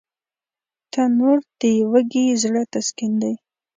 تنور د وږي زړه تسکین دی